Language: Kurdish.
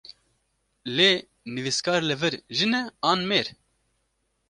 Lê nivîskar li vir jin e, an mêr?